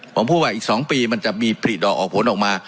ผมพูดว่าอีก๒ปีมันจะมีผลิดอกออกผลออกมา